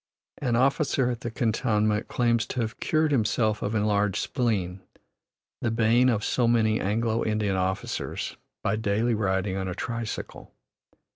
An officer at the cantonment claims to have cured himself of enlarged spleen, the bane of so many Anglo Indian officers, by daily riding on a tricycle.